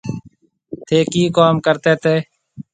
ٿي ڪِي ڪوم ڪرتي تي